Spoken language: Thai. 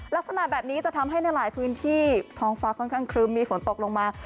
ลักษณะแบบนี้จะทำให้ในหลายพื้นที่ท้องฟ้าค่อนข้างครึ้มมีฝนตกลงมา